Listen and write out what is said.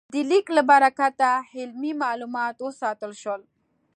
د لیک له برکته علمي مالومات وساتل شول.